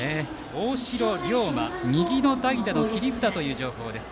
大城良磨右の代打の切り札という情報。